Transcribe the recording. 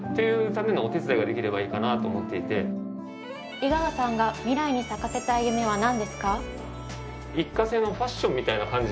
井川さんが未来に咲かせたい夢はなんですか？